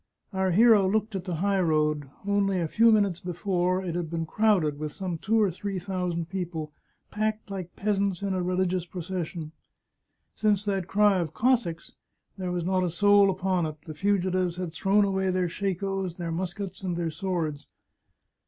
Our hero looked at the high road. Only a few min utes before it had been crowded with some two or three thousand people, packed like peasants in a religious pro cession. Since that cry of " Cossacks " there was not a soul upon it. The fugitives had thrown away their shakos, their muskets, and their swords.